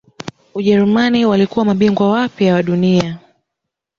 ujerumani walikuwa mabingwa wapya wa dunia